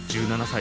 １７歳。